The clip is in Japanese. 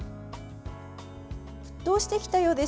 沸騰してきたようです。